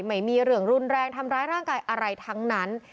ไม่มีเรื่องรุนแรงทำร้ายร่างกายอะไรทั้งนั้น